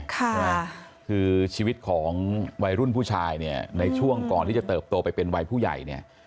คือชีวิตของวัยรุ่นผู้ชายในช่วงก่อนที่จะเติบโตไปเป็นวัยผู้ใหญ่